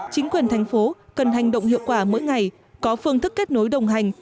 chính quyền thành phố cần hành động hiệu quả mỗi ngày có phương thức kết nối đồng hành